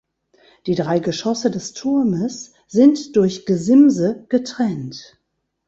Die drei Geschosse des Turmes sind durch Gesimse getrennt.